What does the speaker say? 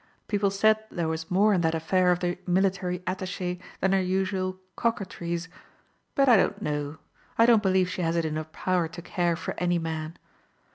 People said there was more in that affair of the military attach^, than her usual coquetries. But I don't know. I don't believe she has it in her power to care for any man.